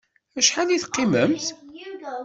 Acḥal ay teqqimemt?